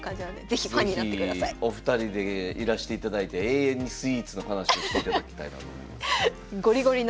是非お二人でいらしていただいて永遠にスイーツの話をしていただきたいなと思います。